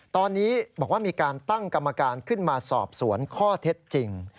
ตอนนี้บอกว่ามีการตั้งกรรมการขึ้นมาสอบสวนข้อเท็จจริง